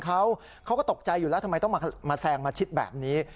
เขาก็ตกใจอยู่แล้วทำไมต้องมาแซงมาชิดแบบนี้